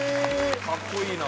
かっこいいな。